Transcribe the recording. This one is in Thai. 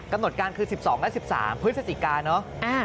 ตำรวจการคือ๑๒และ๑๓พฤศจิกาเนอะอ่า